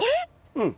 うん。